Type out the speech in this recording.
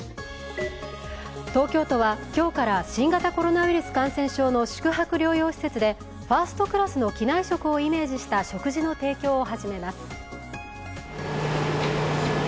東京都は今日から新型コロナウイルス感染症の宿泊療養施設でファーストクラスの機内食をイメージした食事の提供を始めます。